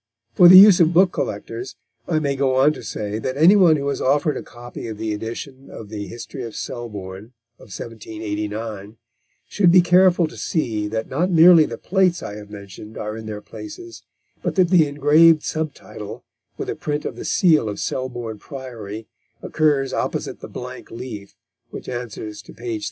For the use of book collectors, I may go on to say that any one who is offered a copy of the edition of The History of Selborne of 1789, should be careful to see that not merely the plates I have mentioned are in their places, but that the engraved sub title, with a print of the seal of Selborne Priory, occurs opposite the blank leaf which answers to page 306.